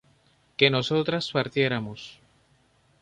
que nosotras partiéramos